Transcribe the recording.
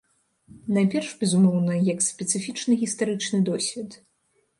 Найперш, безумоўна, як спецыфічны гістарычны досвед.